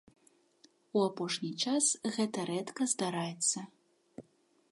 У апошні час гэта рэдка здараецца.